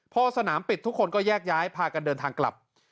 พอสนามปิดทุกคนก็แยกย้ายพากันเดินทางกลับ